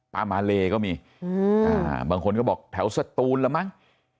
มาเลก็มีบางคนก็บอกแถวสตูนละมั้ง